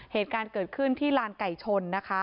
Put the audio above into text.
เหตุการณ์เกิดขึ้นที่ลานไก่ชนนะคะ